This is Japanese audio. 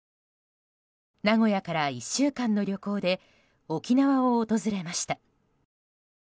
名古屋から１週間の旅行で沖縄を訪れました。